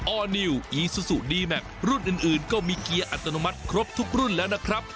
อร์นิวอีซูซูดีแมครุ่นอื่นก็มีเกียร์อัตโนมัติครบทุกรุ่นแล้วนะครับ